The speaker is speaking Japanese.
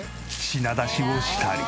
品出しをしたり。